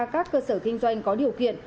các cơ sở kinh doanh có điều kiện